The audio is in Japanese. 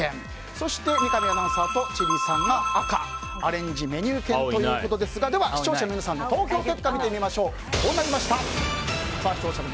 そして三上アナウンサーと千里さんが赤アレンジメニュー券ということですが視聴者の皆さんの投票結果はこうなりました。